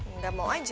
enggak mau aja